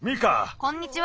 こんにちは。